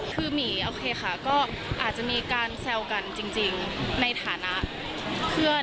คือหมีโอเคค่ะก็อาจจะมีการแซวกันจริงในฐานะเพื่อน